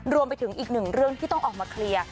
รวมไปถึงอีกหนึ่งเรื่องที่ต้องออกมาเคลียร์